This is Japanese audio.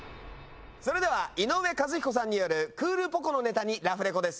それでは井上和彦さんによるクールポコ。のネタにラフレコです。